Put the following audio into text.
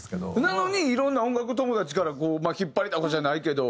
なのにいろんな音楽友達から引っ張りだこじゃないけど。